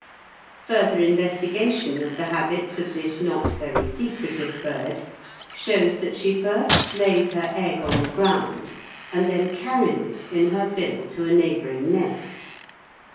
Further investigation of the habits of this not very secretive bird, shows that she first lays her egg on the ground and then carries it in her bill to a neighbouring nest.